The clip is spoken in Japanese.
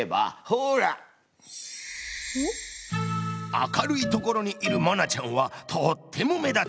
明るいところにいる愛菜ちゃんはとっても目立つ。